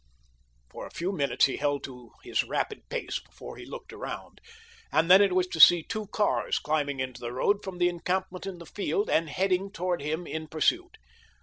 For a few minutes he held to his rapid pace before he looked around, and then it was to see two cars climbing into the road from the encampment in the field and heading toward him in pursuit.